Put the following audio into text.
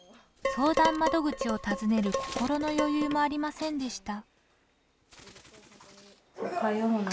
相談窓口を訪ねる心の余裕もありませんでした。